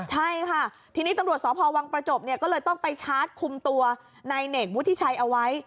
ใช่ค่ะทีนี้ตำรวจสพวังประจบเนี่ยก็เลยต้องไปชาร์จคุมตัวนายเน่งวุฒิชัยเอาไว้